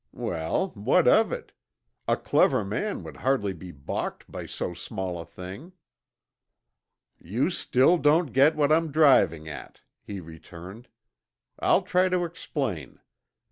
Well, what of it? A clever man would hardly be balked by so small a thing." "You still don't get what I'm driving at," he returned. "I'll try to explain.